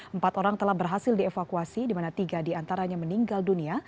empat orang telah berhasil dievakuasi di mana tiga diantaranya meninggal dunia